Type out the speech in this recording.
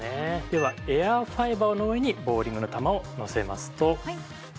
ではエアファイバーの上にボウリングの球をのせますと。